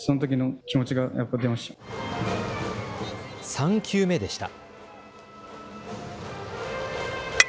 ３球目でした。